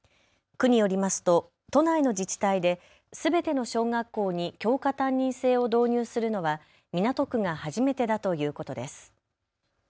区によりますと都内の自治体ですべての小学校に教科担任制を導入するのは港区が初めてだということです。